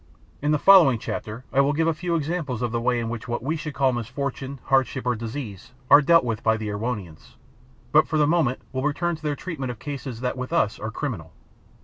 In the following chapter I will give a few examples of the way in which what we should call misfortune, hardship, or disease are dealt with by the Erewhonians, but for the moment will return to their treatment of cases that with us are criminal.